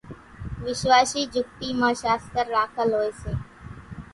وِشواشِي جھُڳتِي مان شاستر راکل هوئيَ سي۔